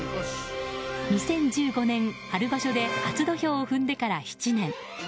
２０１５年春場所で初土俵を踏んでから７年。